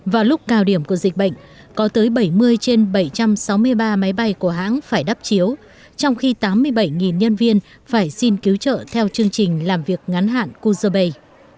vào lúc cao điểm của dịch bệnh có tới bảy mươi trên bảy trăm sáu mươi ba máy bay của hãng phải đắp chiếu trong khi tám mươi bảy nhân viên phải xin cứu trợ theo chương trình làm việc ngắn hạn cuzabay